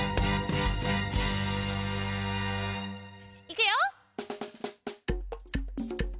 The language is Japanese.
いくよ！